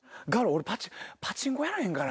俺パチンコやらへんから。